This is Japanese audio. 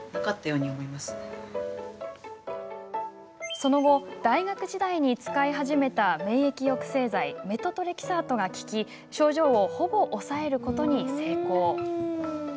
その後、大学時代に使い始めた免疫抑制剤メトトレキサートが効き症状を、ほぼ抑えることに成功。